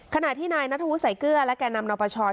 ขณะที่นายนัทฮู้สายเกลือและแก่นำนอปชอต์